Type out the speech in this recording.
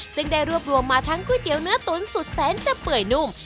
ซึ่งได้รวบรวมมาทั้งก๋วยเตี๋ยวเนื้อตุ๋นสุดแสนจะเปื่อยนุ่ม